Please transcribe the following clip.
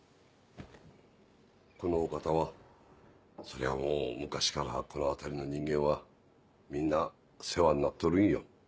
このお方はそりゃもう昔からこの辺りの人間はみんな世話んなっとるんよ。